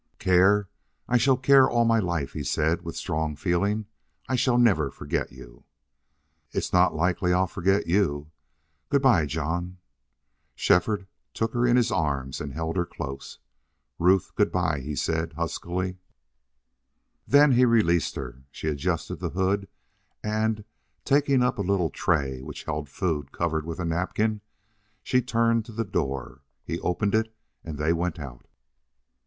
"Care! I shall care all my life," he said, with strong feeling. "I shall never forget you." "It's not likely I'll forget you.... Good by, John!" Shefford took her in his arms and held her close. "Ruth good by!" he said, huskily. Then he released her. She adjusted the hood and, taking up a little tray which held food covered with a napkin, she turned to the door. He opened it and they went out.